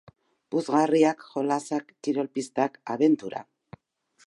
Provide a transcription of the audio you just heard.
Puzgarriak, jolasak, kirol pistak, abentura.